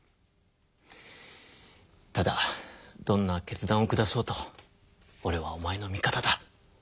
ただどんな決断を下そうとおれはおまえの味方だ。